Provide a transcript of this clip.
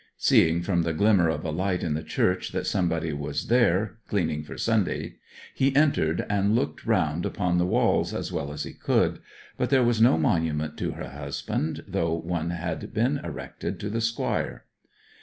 Seeing from the glimmer of a light in the church that somebody was there cleaning for Sunday he entered, and looked round upon the walls as well as he could. But there was no monument to her husband, though one had been erected to the Squire.